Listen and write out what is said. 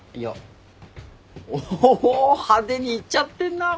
おお派手にいっちゃってんなこれ。